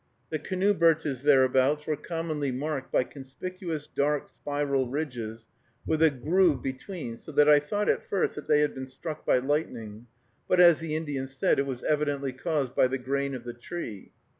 The canoe birches thereabouts were commonly marked by conspicuous dark spiral ridges, with a groove between, so that I thought at first that they had been struck by lightning, but, as the Indian said, it was evidently caused by the grain of the tree.